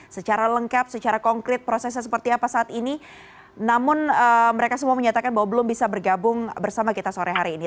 secara lengkap secara konkret prosesnya seperti apa saat ini namun mereka semua menyatakan bahwa belum bisa bergabung bersama kita sore hari ini